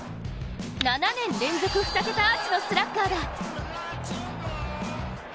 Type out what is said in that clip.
７年連続２桁アーチのスラッガーだ。